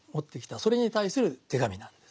それに対する手紙なんです。